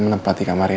menempati kamar ini